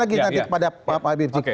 lagi nanti kepada pak habib rizieq